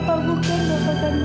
bukan ibu kandung aku